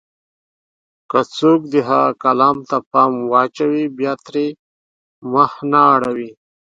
که څوک د هغه کلام ته پام واچوي، بيا ترې مخ نه اړوي.